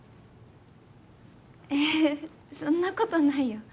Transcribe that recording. ええそんなことないよ。